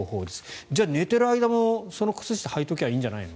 じゃあ、寝ている間もその靴下をはいておけばいいんじゃないの？